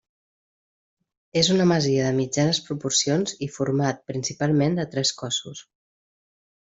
És una masia de mitjanes proporcions i format principalment de tres cossos.